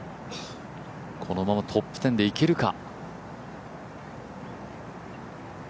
このままトップ１０でいけるか。